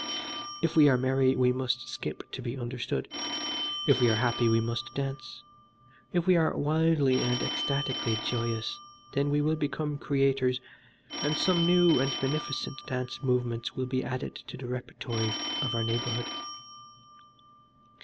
If we are merry we must skip to be understood. If we are happy we must dance. If we are wildly and ecstatically joyous then we will become creators, and some new and beneficent dance movements will be added to the repertory of our neighborhood.